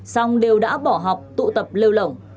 xong đều đã bỏ học tụ tập liêu lỏng